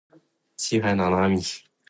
七海娜娜米